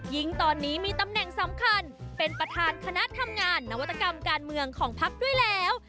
ยิ่งตอนนี้มีตำแหน่งสำคัญเป็นประธานคณะทำงานนวัตกรรมการเมืองของพักด้วยแล้ว